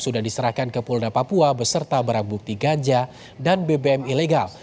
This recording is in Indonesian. sudah diserahkan ke polda papua beserta barang bukti ganja dan bbm ilegal